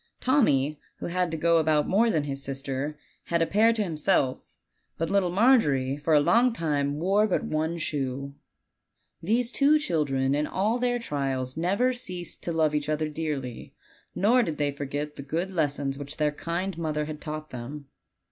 Tommy, who had to go about more than his sis ter, had a pair to himself; but little Margery for a long time wore but one shoe. These two children in all their trials never ceased to love each other dearly, nor did they forget the good les gons which their kind mother had taught them.